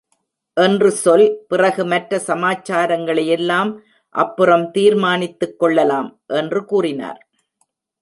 என்று சொல் பிறகு மற்ற சமாச்சாரங்களையெல்லாம் அப்புறம் தீர்மானித்துக் கொள்ளலாம்? என்று கூறினார்.